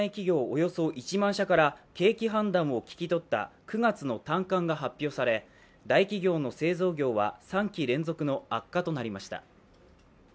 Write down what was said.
およそ１万社から景気判断を聞き取った９月の短観が発表され、大企業の製造業は３期連続の悪化となりました。